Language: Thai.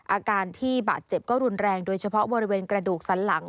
อาการที่บาดเจ็บก็รุนแรงโดยเฉพาะบริเวณกระดูกสันหลัง